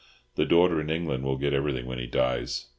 The daughter in England will get everything when he dies.